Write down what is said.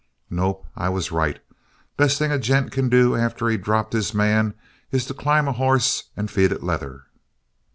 "Nope. I was right. Best thing a gent can do after he's dropped his man is to climb a hoss and feed it leather."